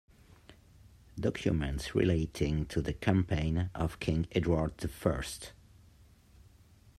Documents Relating to the Campaign of King Edward the First.